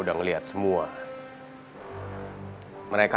mereka gak akan biarin kamu tenangin kamu